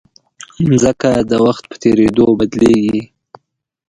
مځکه د وخت په تېرېدو بدلېږي.